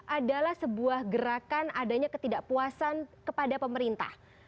adalah sebuah gerakan adanya ketidakpuasan kepada pemerintah